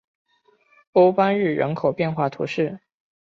欧班日人口变化图示